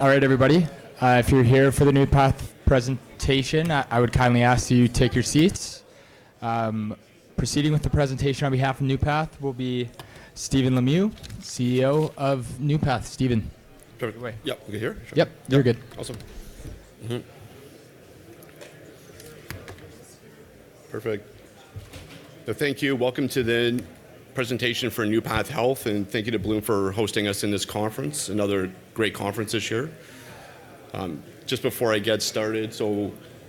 All right, everybody. If you're here for the NeuPath presentation, I would kindly ask that you take your seats. Proceeding with the presentation on behalf of NeuPath will be Stephen Lemieux, CEO of NeuPath. Stephen. Perfect way. Yep. We good here? Yep. You're good. Awesome. Perfect. Thank you. Welcome to the presentation for NeuPath Health, and thank you to Bloom for hosting us in this conference. Another great conference this year. Just before I get started,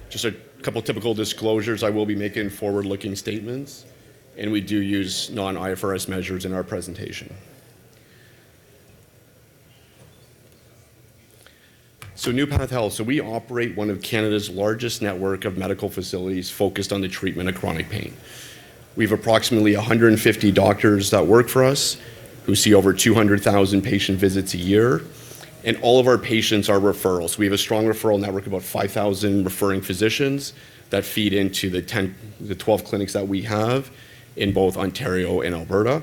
just a couple of typical disclosures, I will be making forward-looking statements, and we do use non-IFRS measures in our presentation. NeuPath Health. We operate one of Canada's largest network of medical facilities focused on the treatment of chronic pain. We have approximately 150 doctors that work for us who see over 200,000 patient visits a year, and all of our patients are referrals. We have a strong referral network of about 5,000 referring physicians that feed into the 12 clinics that we have in both Ontario and Alberta.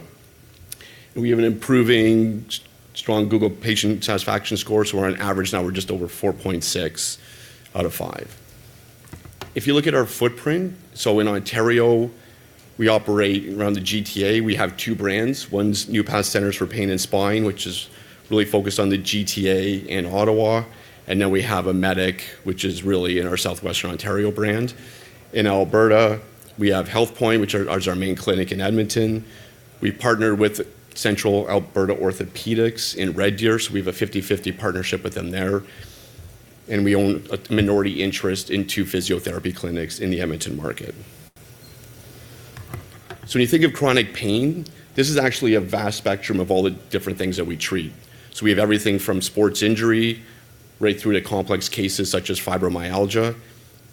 We have an improving strong Google patient satisfaction score. On average now, we're just over 4.6 out of five. In Ontario, we operate around the GTA. We have two brands. One's NeuPath Centre for Pain & Spine, which is really focused on the GTA and Ottawa, and then we have InMedic, which is really our Southwestern Ontario brand. In Alberta, we have HealthPointe, which is our main clinic in Edmonton. We partner with Central Alberta Orthopedics in Red Deer, so we have a 50/50 partnership with them there, and we own a minority interest in two physiotherapy clinics in the Edmonton market. When you think of chronic pain, this is actually a vast spectrum of all the different things that we treat. We have everything from sports injury right through to complex cases such as fibromyalgia.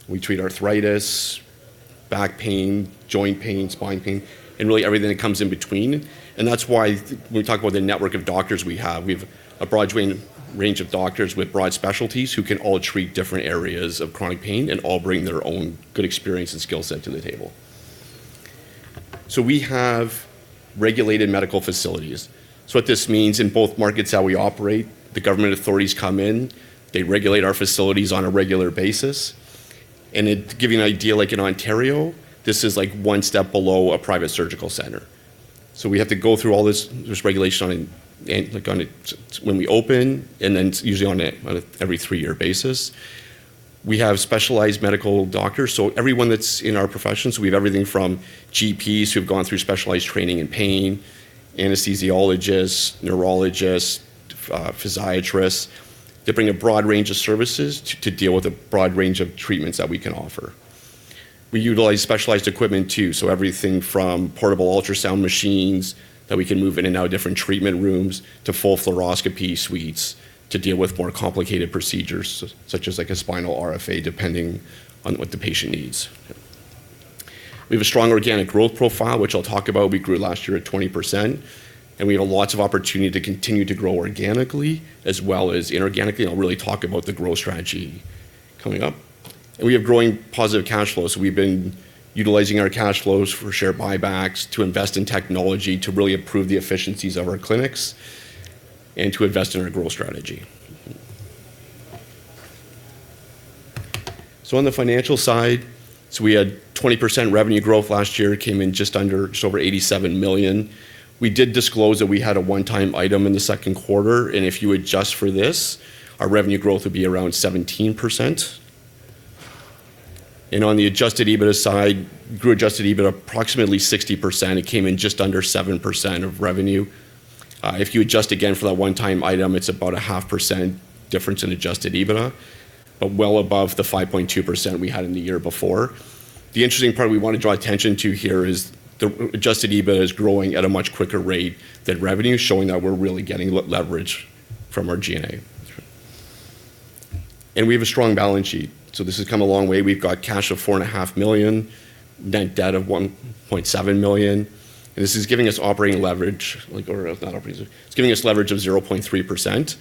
We treat arthritis, back pain, joint pain, spine pain, and really everything that comes in between. That's why when we talk about the network of doctors we have, we have a broad range of doctors with broad specialties who can all treat different areas of chronic pain and all bring their own good experience and skill set to the table. We have regulated medical facilities. What this means, in both markets that we operate, the government authorities come in, they regulate our facilities on a regular basis. To give you an idea, like in Ontario, this is one step below a private surgical center. We have to go through all this regulation when we open, and then it's usually on an every three-year basis. We have specialized medical doctors, so everyone that's in our professions. We have everything from GPs who have gone through specialized training in pain, anesthesiologists, neurologists, physiatrists. They bring a broad range of services to deal with the broad range of treatments that we can offer. We utilize specialized equipment, too, so everything from portable ultrasound machines that we can move in and out of different treatment rooms to full fluoroscopy suites to deal with more complicated procedures, such as a spinal RFA, depending on what the patient needs. We have a strong organic growth profile, which I'll talk about. We grew last year at 20%, and we have lots of opportunity to continue to grow organically as well as inorganically. I'll really talk about the growth strategy coming up. We have growing positive cash flows. We've been utilizing our cash flows for share buybacks, to invest in technology to really improve the efficiencies of our clinics, and to invest in our growth strategy. On the financial side, we had 20% revenue growth last year. Came in just under, just over 87 million. We did disclose that we had a one-time item in the second quarter, and if you adjust for this, our revenue growth would be around 17%. On the adjusted EBITA side, grew adjusted EBIT approximately 60%. It came in just under 7% of revenue. If you adjust again for that one-time item, it's about a half percent difference in adjusted EBITA, but well above the 5.2% we had in the year before. The interesting part we want to draw attention to here is the adjusted EBITA is growing at a much quicker rate than revenue, showing that we're really getting leverage from our G&A. We have a strong balance sheet. This has come a long way. We've got cash of 4.5 million, net debt of 1.7 million. This is giving us operating leverage, like, or not operating. It's giving us leverage of 0.3%.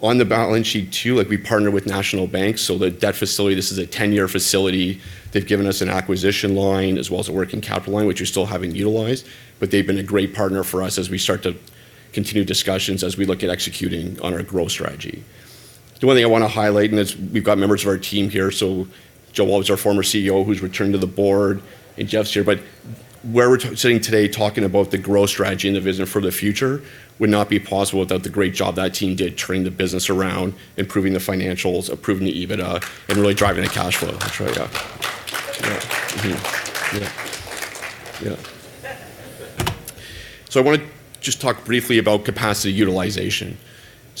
On the balance sheet too, we partner with national banks. The debt facility, this is a 10-year facility. They've given us an acquisition line as well as a working capital line, which we still haven't utilized. They've been a great partner for us as we start to continue discussions as we look at executing on our growth strategy. The one thing I want to highlight, and we've got members of our team here, Joe Walewicz's our former CEO who's returned to the board, and Jeff's here. Where we're sitting today, talking about the growth strategy and the vision for the future would not be possible without the great job that team did turning the business around, improving the financials, improving the EBITA, and really driving the cash flow. That's right, yeah. Yeah. I want to just talk briefly about capacity utilization.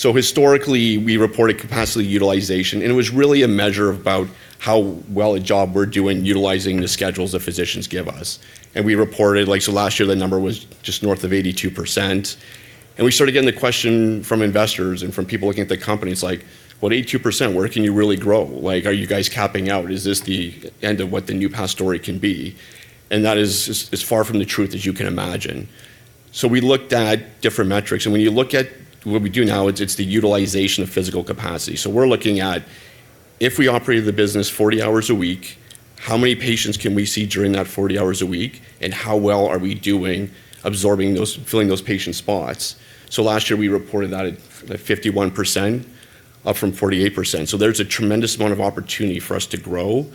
Historically, we reported capacity utilization, and it was really a measure about how well a job we're doing utilizing the schedules that physicians give us. We reported, so last year, that number was just north of 82%. We started getting the question from investors and from people looking at the company. It's like, "Well, 82%, where can you really grow? Are you guys capping out? Is this the end of what the NeuPath story can be?" That is as far from the truth as you can imagine. We looked at different metrics. When you look at what we do now, it's the utilization of physical capacity. We're looking at if we operated the business 40 hours a week. How many patients can we see during that 40 hours a week, and how well are we doing filling those patient spots? Last year, we reported that at 51%, up from 48%. There's a tremendous amount of opportunity for us to grow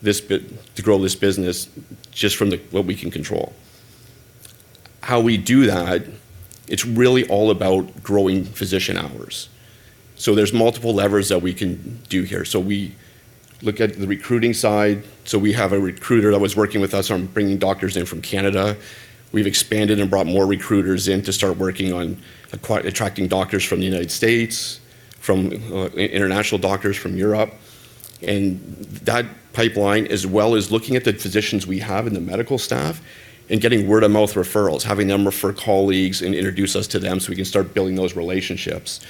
this business just from what we can control. How we do that, it's really all about growing physician hours. There's multiple levers that we can do here. We look at the recruiting side. We have a recruiter that was working with us on bringing doctors in from Canada. We've expanded and brought more recruiters in to start working on attracting doctors from the United States, international doctors from Europe, and that pipeline, as well as looking at the physicians we have in the medical staff and getting word-of-mouth referrals, having them refer colleagues and introduce us to them so we can start building those relationships.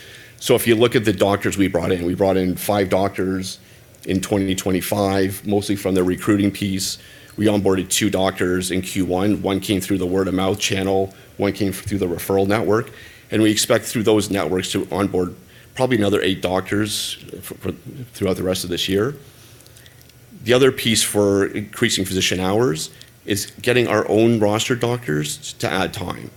If you look at the doctors we brought in, we brought in five doctors in 2025, mostly from the recruiting piece. We onboarded two doctors in Q1. One came through the word-of-mouth channel, one came through the referral network, and we expect through those networks to onboard probably another eight doctors throughout the rest of this year. The other piece for increasing physician hours is getting our own roster doctors to add time.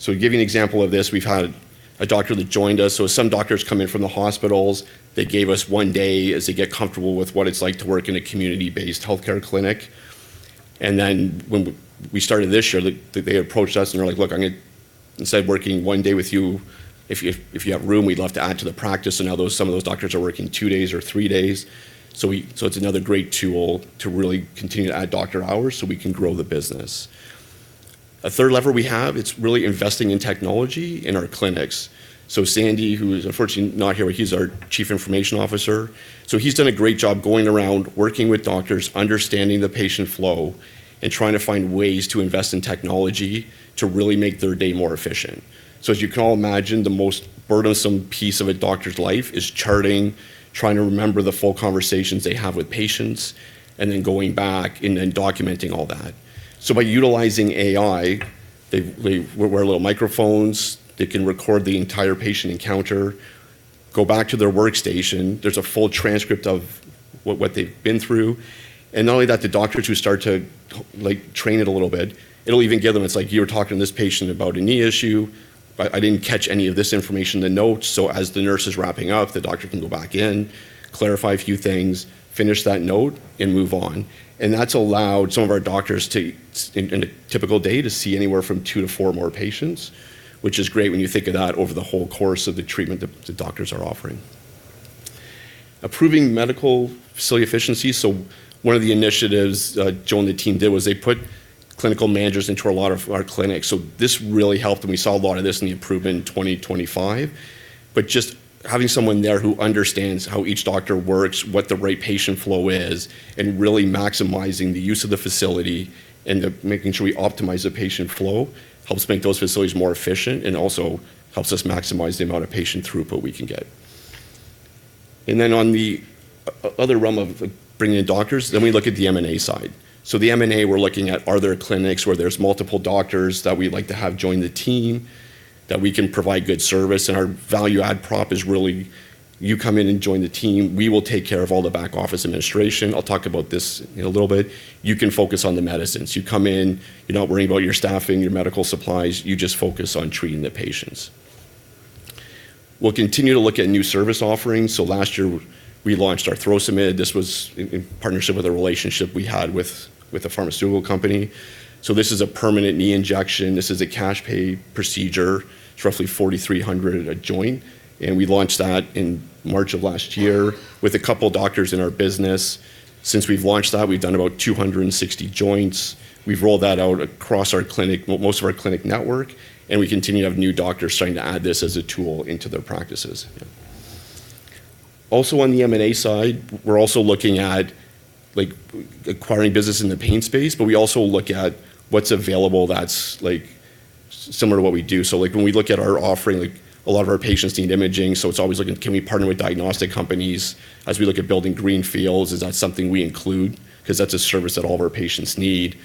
To give you an example of this, we've had a doctor that joined us. Some doctors come in from the hospitals. They gave us one day as they get comfortable with what it's like to work in a community-based healthcare clinic. When we started this year, they approached us and they're like, "Look, I'm going to Instead of working one day with you, if you have room, we'd love to add to the practice." Now some of those doctors are working two days or three days. It's another great tool to really continue to add doctor hours so we can grow the business. A third lever we have, it's really investing in technology in our clinics. Sandee, who is unfortunately not here, but he's our Chief Information Officer, he's done a great job going around, working with doctors, understanding the patient flow, and trying to find ways to invest in technology to really make their day more efficient. As you can all imagine, the most burdensome piece of a doctor's life is charting, trying to remember the full conversations they have with patients, and then going back and then documenting all that. By utilizing AI, they wear little microphones that can record the entire patient encounter, go back to their workstation. There's a full transcript of what they've been through. Not only that, the doctors who start to train it a little bit, it'll even give them, it's like, "You were talking to this patient about a knee issue, but I didn't catch any of this information in the notes." As the nurse is wrapping up, the doctor can go back in, clarify a few things, finish that note and move on. That's allowed some of our doctors in a typical day to see anywhere from two to four more patients, which is great when you think of that over the whole course of the treatment the doctors are offering. Improving medical facility efficiency. One of the initiatives Joe and the team did was they put clinical managers into a lot of our clinics. This really helped, and we saw a lot of this in the improvement in 2025. Just having someone there who understands how each doctor works, what the right patient flow is, and really maximizing the use of the facility and making sure we optimize the patient flow helps make those facilities more efficient and also helps us maximize the amount of patient throughput we can get. On the other realm of bringing in doctors, then we look at the M&A side. The M&A we're looking at are there clinics where there's multiple doctors that we'd like to have join the team, that we can provide good service. Our value add prop is really, you come in and join the team. We will take care of all the back office administration. I'll talk about this in a little bit. You can focus on the medicines. You come in, you're not worrying about your staffing, your medical supplies. You just focus on treating the patients. We'll continue to look at new service offerings. Last year, we launched Arthrosamid. This was in partnership with a relationship we had with a pharmaceutical company. This is a permanent knee injection. This is a cash pay procedure. It's roughly 4,300 a joint, and we launched that in March of last year with a couple doctors in our business. Since we've launched that, we've done about 260 joints. We've rolled that out across most of our clinic network, and we continue to have new doctors starting to add this as a tool into their practices. Also on the M&A side, we're also looking at acquiring business in the pain space, but we also look at what's available that's similar to what we do. When we look at our offering, a lot of our patients need imaging. It's always looking, can we partner with diagnostic companies? As we look at building greenfields, is that something we include? That's a service that all of our patients need.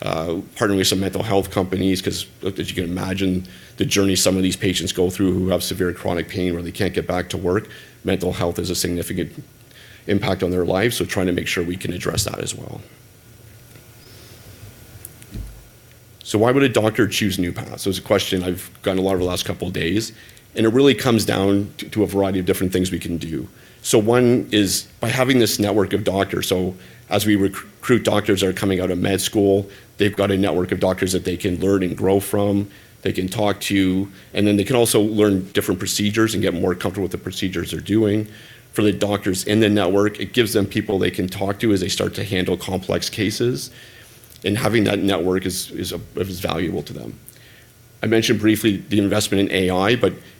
Partnering with some mental health companies, as you can imagine, the journey some of these patients go through who have severe chronic pain where they can't get back to work, mental health has a significant impact on their lives, trying to make sure we can address that as well. Why would a doctor choose NeuPath? It's a question I've gotten a lot over the last couple of days, and it really comes down to a variety of different things we can do. One is by having this network of doctors. As we recruit doctors that are coming out of med school, they've got a network of doctors that they can learn and grow from, they can talk to, and then they can also learn different procedures and get more comfortable with the procedures they're doing. For the doctors in the network, it gives them people they can talk to as they start to handle complex cases, and having that network is valuable to them. I mentioned briefly the investment in AI,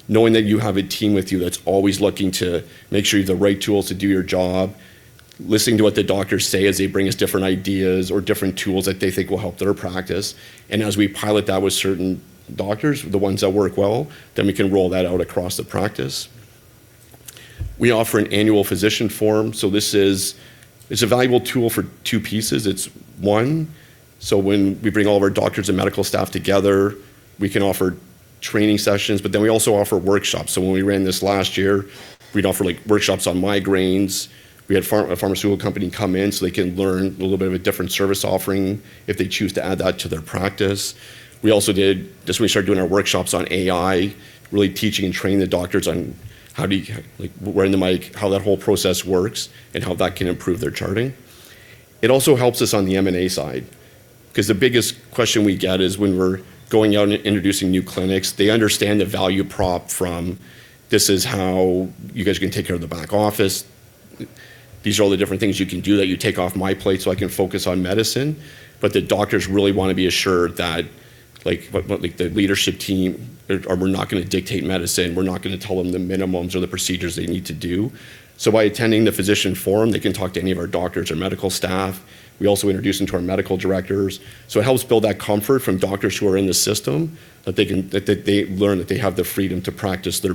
knowing that you have a team with you that's always looking to make sure you have the right tools to do your job, listening to what the doctors say as they bring us different ideas or different tools that they think will help their practice. As we pilot that with certain doctors, the ones that work well, we can roll that out across the practice. We offer an annual physician forum. This is a valuable tool for two pieces. It's one, when we bring all of our doctors and medical staff together, we can offer training sessions, we also offer workshops. When we ran this last year, we'd offer workshops on migraines. We had a pharmaceutical company come in so they can learn a little bit of a different service offering if they choose to add that to their practice. We also did, just when we started doing our workshops on AI, really teaching and training the doctors on, wearing the mic, how that whole process works and how that can improve their charting. It also helps us on the M&A side, because the biggest question we get is when we're going out and introducing new clinics, they understand the value prop from, "This is how you guys can take care of the back office. These are all the different things you can do that you take off my plate so I can focus on medicine." The doctors really want to be assured that the leadership team, we're not going to dictate medicine. We're not going to tell them the minimums or the procedures they need to do. By attending the physician forum, they can talk to any of our doctors or medical staff. We also introduce them to our medical directors. It helps build that comfort from doctors who are in the system, that they learn that they have the freedom to practice their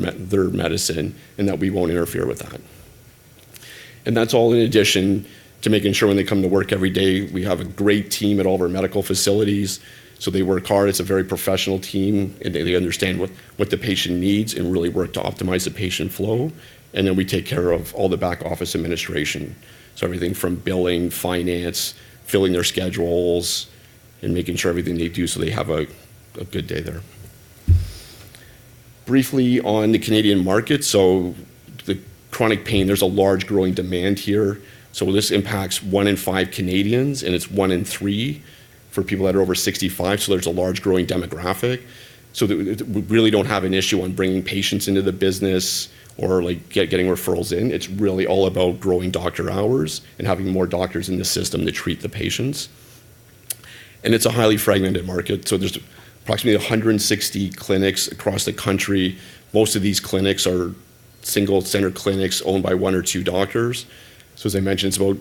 medicine, and that we won't interfere with that. That's all in addition to making sure when they come to work every day, we have a great team at all of our medical facilities. They work hard. It's a very professional team, and they understand what the patient needs and really work to optimize the patient flow. Then we take care of all the back office administration. Everything from billing, finance, filling their schedules, and making sure everything they do so they have a good day there. Briefly on the Canadian market, the chronic pain, there's a large growing demand here. This impacts one in five Canadians, and it's one in three for people that are over 65. There's a large growing demographic. We really don't have an issue on bringing patients into the business or getting referrals in. It's really all about growing doctor hours and having more doctors in the system to treat the patients. It's a highly fragmented market. There's approximately 160 clinics across the country. Most of these clinics are single center clinics owned by one or two doctors. As I mentioned, it's about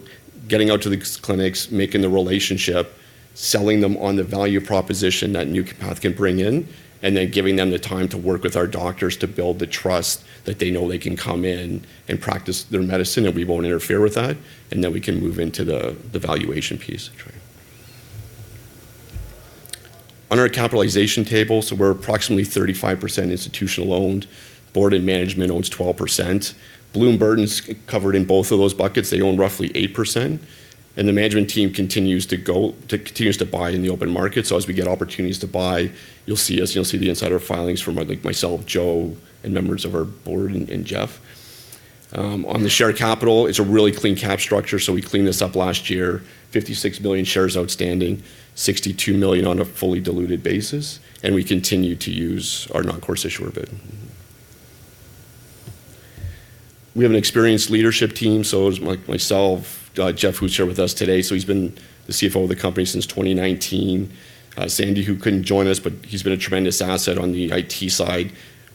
getting out to these clinics, making the relationship, selling them on the value proposition that NeuPath can bring in, then giving them the time to work with our doctors to build the trust that they know they can come in and practice their medicine, and we won't interfere with that, then we can move into the valuation piece. On our capitalization table, we're approximately 35% institutional owned. Board and management owns 12%. Bloom Burton's covered in both of those buckets. They own roughly 8%, and the management team continues to buy in the open market. As we get opportunities to buy, you'll see us, you'll see the insider filings from myself, Joe, and members of our board and Jeff. On the share capital, it's a really clean cap structure, we cleaned this up last year, 56 million shares outstanding, 62 million on a fully diluted basis, and we continue to use our normal course issuer bid. We have an experienced leadership team, there's myself, Jeff, who's here with us today. He's been the CFO of the company since 2019. Sandy, who couldn't join us, but he's been a tremendous asset on the IT side,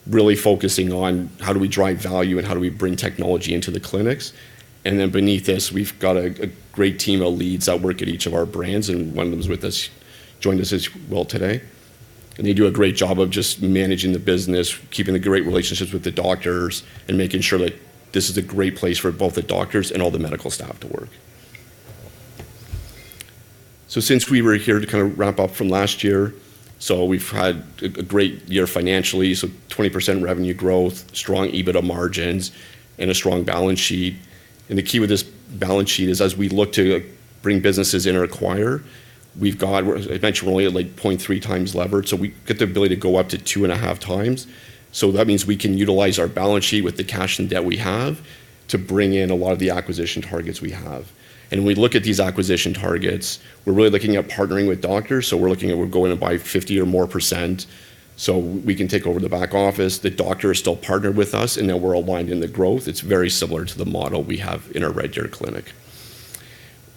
really focusing on how do we drive value and how do we bring technology into the clinics? Beneath this, we've got a great team of leads that work at each of our brands, and one of them is with us, joined us as well today. They do a great job of just managing the business, keeping the great relationships with the doctors, and making sure that this is a great place for both the doctors and all the medical staff to work. Since we were here to kind of wrap up from last year, we've had a great year financially. 20% revenue growth, strong EBITDA margins, and a strong balance sheet. The key with this balance sheet is as we look to bring businesses in or acquire, we've got eventually at like 0.3 times lever. We get the ability to go up to 2.5 times. That means we can utilize our balance sheet with the cash and debt we have to bring in a lot of the acquisition targets we have. When we look at these acquisition targets, we're really looking at partnering with doctors. We're looking at going to buy 50 or more % so we can take over the back office. The doctor is still partnered with us, and now we're aligned in the growth. It's very similar to the model we have in our Red Deer clinic.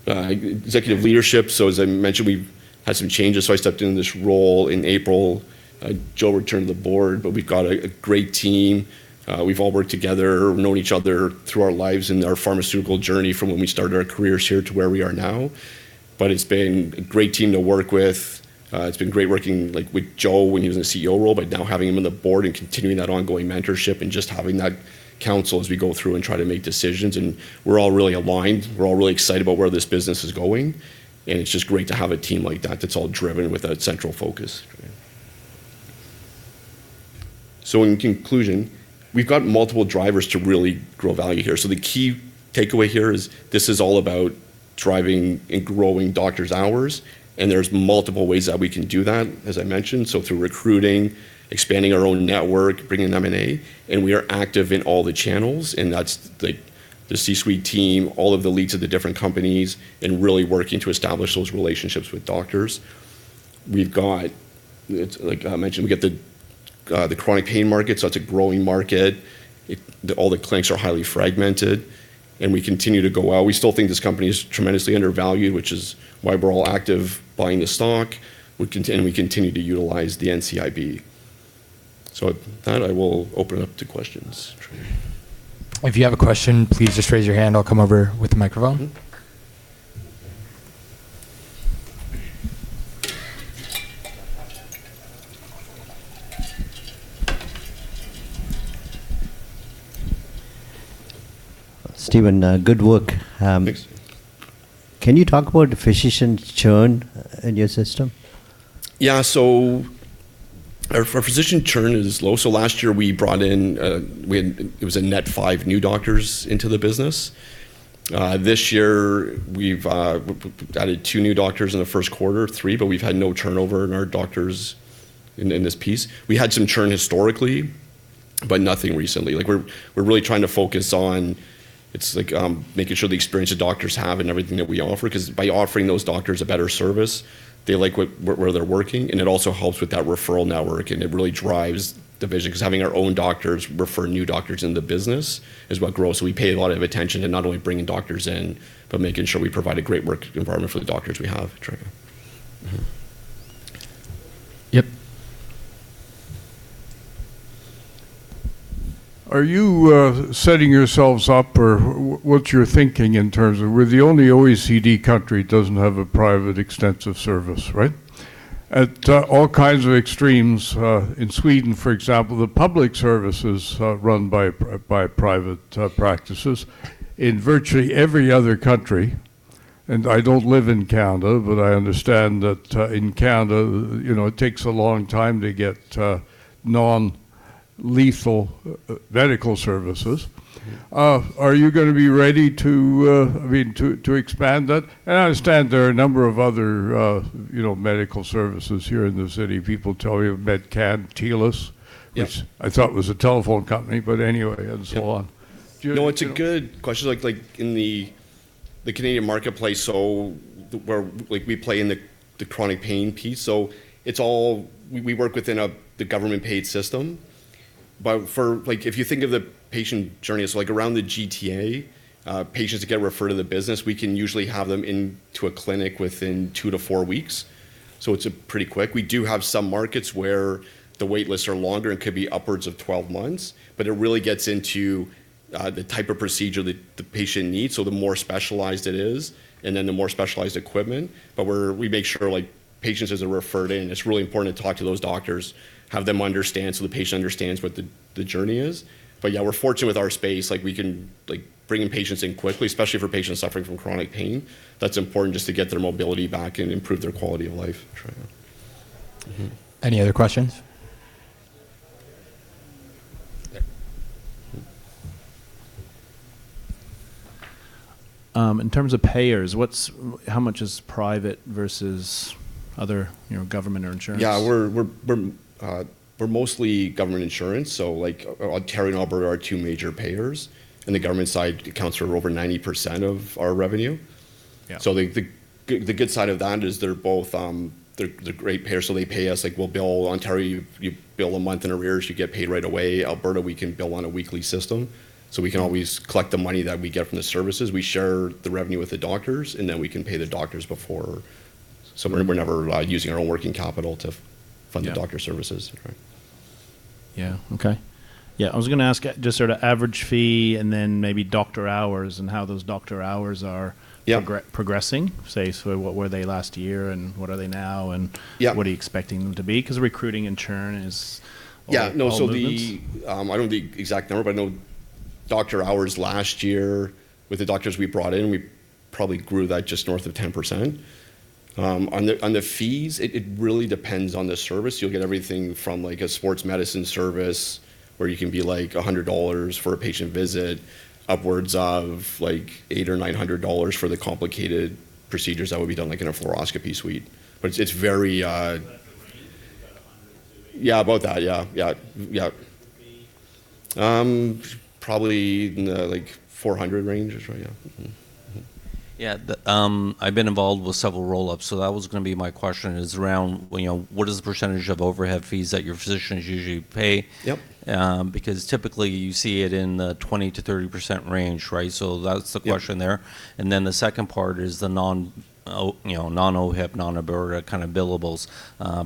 Executive leadership. As I mentioned, we've had some changes, I stepped into this role in April. Joe returned to the board. We've got a great team. We've all worked together. We've known each other through our lives and our pharmaceutical journey from when we started our careers here to where we are now. It's been a great team to work with. It's been great working with Joe when he was in the CEO role, now having him on the board and continuing that ongoing mentorship and just having that counsel as we go through and try to make decisions. We're all really aligned. We're all really excited about where this business is going, and it's just great to have a team like that that's all driven with a central focus. In conclusion, we've got multiple drivers to really grow value here. The key takeaway here is this is all about driving and growing doctors' hours, and there's multiple ways that we can do that, as I mentioned. Through recruiting, expanding our own network, bringing M&A. We are active in all the channels. That's the C-suite team, all of the leads of the different companies, and really working to establish those relationships with doctors. We've got, like I mentioned, we got the chronic pain market. That's a growing market. All the clinics are highly fragmented. We continue to go out. We still think this company is tremendously undervalued, which is why we're all active buying the stock. We continue to utilize the NCIB. At that, I will open up to questions. If you have a question, please just raise your hand. I'll come over with the microphone. Stephen, good work. Thanks. Can you talk about physician churn in your system? Yeah. Our physician churn is low. Last year we brought in, it was a net five new doctors into the business. This year, we've added two new doctors in the first quarter, three, but we've had no turnover in our doctors in this piece. We had some churn historically, but nothing recently. We're really trying to focus on making sure the experience the doctors have and everything that we offer, because by offering those doctors a better service, they like where they're working, and it also helps with that referral network, and it really drives the vision, because having our own doctors refer new doctors in the business is what grows. We pay a lot of attention to not only bringing doctors in, but making sure we provide a great work environment for the doctors we have. Sure. Mm-hmm. Yep. Are you setting yourselves up or what's your thinking in terms of we're the only OECD country that doesn't have a private extensive service, right? At all kinds of extremes. In Sweden, for example, the public service is run by private practices. In virtually every other country, I don't live in Canada, but I understand that in Canada it takes a long time to get non-lethal medical services. Are you going to be ready to expand that? I understand there are a number of other medical services here in the city. People tell me of Medcan, Telus- Yes which I thought was a telephone company, but anyway, and so on. Do you- It's a good question. In the Canadian marketplace, we play in the chronic pain piece, we work within the government paid system. If you think of the patient journey, around the GTA, patients that get referred to the business, we can usually have them into a clinic within two to four weeks, it's pretty quick. We do have some markets where the wait lists are longer and could be upwards of 12 months, but it really gets into the type of procedure that the patient needs, the more specialized it is, and then the more specialized equipment. We make sure patients as they're referred in, it's really important to talk to those doctors, have them understand so the patient understands what the journey is. Yeah, we're fortunate with our space. We can bring patients in quickly, especially for patients suffering from chronic pain. That's important just to get their mobility back and improve their quality of life. Sure. Mm-hmm. Any other questions? There. In terms of payers, how much is private versus other government or insurance? Yeah, we're mostly government insurance, so Ontario and Alberta are our two major payers. The government side accounts for over 90% of our revenue. Yeah. The good side of that is they're great payers, they pay us. We'll bill Ontario, you bill a month in arrears, you get paid right away. Alberta, we can bill on a weekly system, we can always collect the money that we get from the services. We share the revenue with the doctors, we can pay the doctors before. We're never using our own working capital to. Yeah the doctor services. Right. Yeah. Okay. Yeah, I was going to ask just sort of average fee, maybe doctor hours and how those doctor hours. Yeah progressing, say. What were they last year and what are they now. Yeah What are you expecting them to be? Recruiting and churn is always- Yeah Small movements. I don't know the exact number, but I know doctor hours last year with the doctors we brought in, we probably grew that just north of 10%. On the fees, it really depends on the service. You'll get everything from a sports medicine service where you can be like 100 dollars for a patient visit, upwards of 800 or 900 dollars for the complicated procedures that would be done in a fluoroscopy suite. What's the range? Is it about CAD 100? Yeah, about that. Yeah. The fee? Probably in the 400 range. Right. Yeah. Mm-hmm. Yeah. I've been involved with several roll-ups, that was going to be my question is around what is the % of overhead fees that your physicians usually pay? Yep. You see it in the 20%-30% range, right? That's the question there. The second part is the non-OHIP, non-Alberta kind of billables,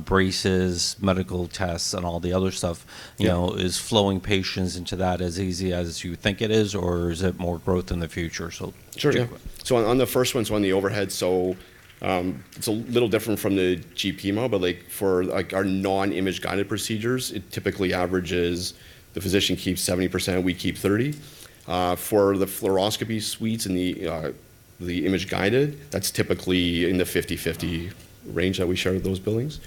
braces, medical tests, and all the other stuff. Yeah. Is flowing patients into that as easy as you think it is or is it more growth in the future? Two-part. Sure. Yeah. On the first one, so on the overhead, so it's a little different from the GP model, but for our non-image guided procedures, it typically averages the physician keeps 70%, we keep 30%. For the fluoroscopy suites and the image guided, that's typically in the 50/50 range that we share with those billings.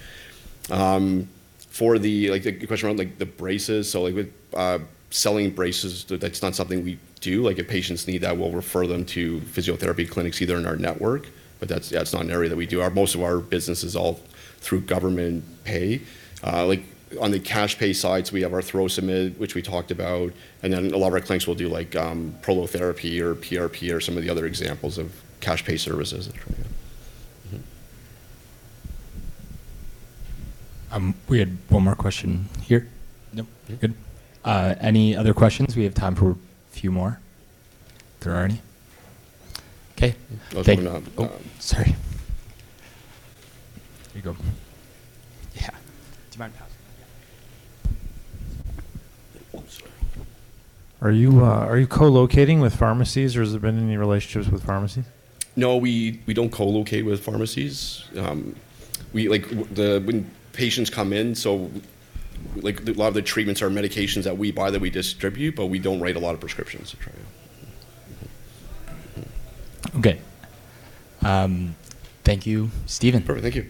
For the question around the braces, so selling braces, that's not something we do. If patients need that, we'll refer them to physiotherapy clinics either in our network, but that's not an area that we do. Most of our business is all through government pay. On the cash pay sides, we have our Arthrosamid, which we talked about, and then a lot of our clinics will do prolotherapy or PRP or some of the other examples of cash pay services. Sure. Yeah. We had one more question here. Nope, you're good. Any other questions? We have time for a few more. If there are any. Okay. I was going to- Oh, sorry. Here you go. Yeah. Do you mind passing? Yeah. Oh, sorry. Are you co-locating with pharmacies or has there been any relationships with pharmacies? No, we don't co-locate with pharmacies. When patients come in, a lot of the treatments are medications that we buy that we distribute, we don't write a lot of prescriptions. Okay. Thank you, Stephen. Perfect. Thank you.